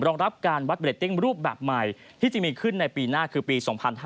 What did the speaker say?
รองรับการวัดเรตติ้งรูปแบบใหม่ที่จะมีขึ้นในปีหน้าคือปี๒๕๕๙